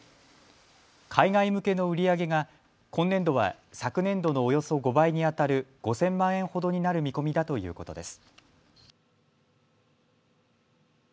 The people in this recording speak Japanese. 海外向けの売り上げが今年度は昨年度のおよそ５倍にあたる５０００万円ほどになる見込みだということです。